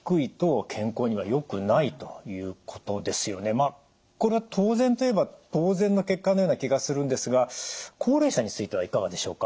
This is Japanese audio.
まあこれは当然といえば当然の結果なような気がするんですが高齢者についてはいかがでしょうか？